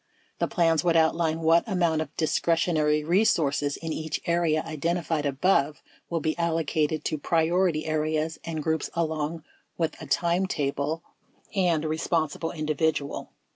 The plans would outline what amount of discretionary resources in each area identified above will be allocated to priority areas and groups along with a timetable and responsible individual.